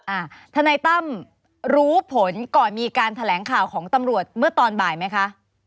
ทนายตั้มรู้ผลก่อนมีการแถลงข่าวของตำรวจเมื่อตอนบ่ายไหมคะ